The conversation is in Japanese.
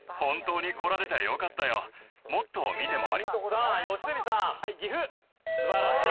さあ良純さん。素晴らしい。